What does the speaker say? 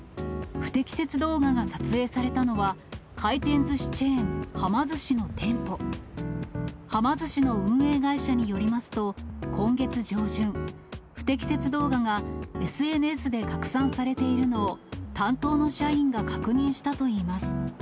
不適切動画が撮影されたのは、回転ずしチェーン、はま寿司の店舗。はま寿司の運営会社によりますと、今月上旬、不適切動画がＳＮＳで拡散されているのを担当の社員が確認したといいます。